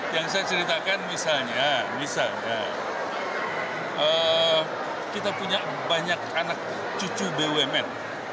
yang saya ceritakan misalnya kita punya banyak anak cucu bumn